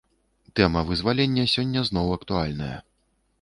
Тэма вызвалення сёння зноў актуальная.